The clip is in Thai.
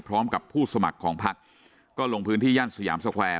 พร้อมกับผู้สมัครของพักก็ลงพื้นที่ย่านสยามสแควร์